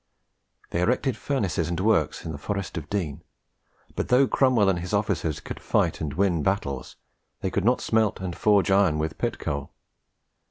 They erected furnaces and works in the Forest of Dean; but, though Cromwell and his officers could fight and win battles, they could not smelt and forge iron with pit coal.